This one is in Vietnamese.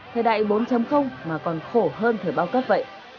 thời đại bốn mà còn khổ hơn thời bao cấp vậy